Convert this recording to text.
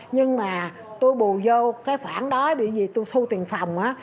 nhưng mà tôi bù vô cái khoảng đó bởi vì tôi thu tiền phòng á